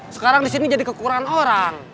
sekarang di sini jadi kekurangan orang